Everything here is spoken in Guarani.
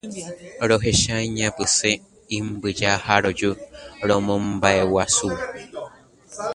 Rohecha iñapysẽ imbyja ha roju romombaʼeguasúvo.